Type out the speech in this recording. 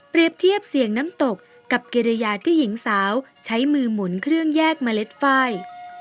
เทียบเสียงน้ำตกกับเกรยาที่หญิงสาวใช้มือหมุนเครื่องแยกเมล็ดไฟ